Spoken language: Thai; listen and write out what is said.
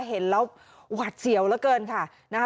เห็นแล้วหวัดเสียวเหลือเกินค่ะนะคะ